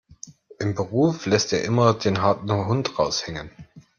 Im Beruf lässt er immer den harten Hund raushängen.